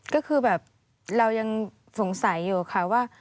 ก็คือแบบเรายังสงสัยอยู่ค่ะว่า